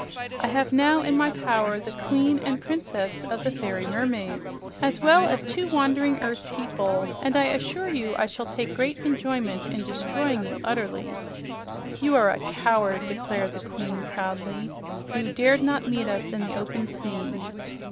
I have now in my power the queen and princess of the fairy mermaids, as well as two wandering earth people, and I assure you I shall take great pleasure in destroying you utterly." "You are a coward," declared the Queen proudly. "You dared not meet us in the open sea."